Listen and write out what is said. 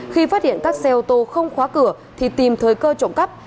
khi phát hiện các xe ô tô không khóa cửa thì tìm thời cơ trộm cắp